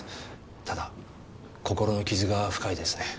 ただ心の傷が深いですね